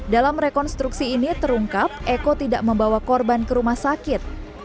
dalam rekonstruksi ini terungkap eko tidak membawa korban ke rumah sakit